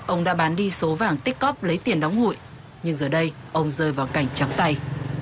ông đã bán đi số vàng tích cóp lấy tiền đóng hụi nhưng giờ đây ông rơi vào cảnh trắng tay